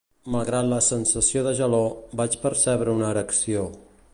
Malgrat la sensació de gelor, vaig percebre una erecció.